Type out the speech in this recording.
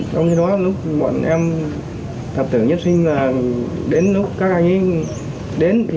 trong khi đó lúc bọn em thật tưởng nhất sinh là đến lúc các anh ấy đến